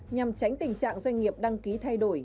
nhằm tránh tình trạng doanh nghiệp đăng ký thay đổi